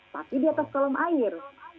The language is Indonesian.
tapi di atas kolom air